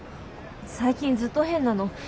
最近ずっと変なの。